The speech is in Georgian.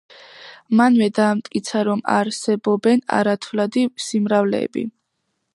მანვე დაამტკიცა, რომ არსებობენ არათვლადი სიმრავლეები.